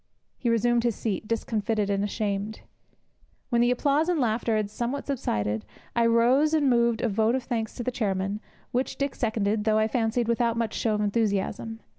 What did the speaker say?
He resumed his seat, discomfited and ashamed. When the applause and laughter had somewhat subsided, I rose and moved a vote of thanks to the chairman, which Dick seconded, though, I fancied, without much show of enthusiasm.